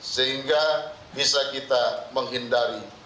sehingga bisa kita menghindari